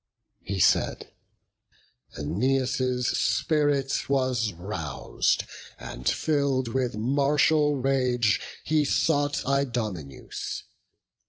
He said; Æneas' spirit was rous'd, and fill'd With martial rage he sought Idomeneus.